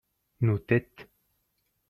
nos têtes.